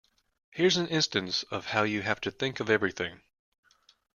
Here's an instance of how you have to think of everything.